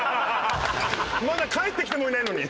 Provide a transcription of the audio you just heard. まだ帰ってきてもいないのに。